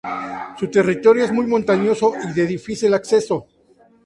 Su territorio es muy montañoso y de difícil acceso.